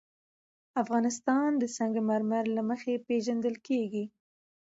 افغانستان د سنگ مرمر له مخې پېژندل کېږي.